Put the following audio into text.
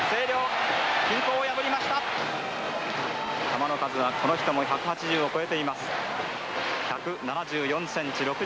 球の数はこの人も１８０を超えています。